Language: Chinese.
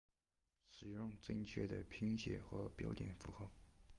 使用正确的拼写和标点符号